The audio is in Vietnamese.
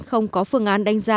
không có phương án đánh giá